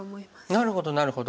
なるほどなるほど。